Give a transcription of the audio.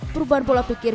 perubahan pola pikir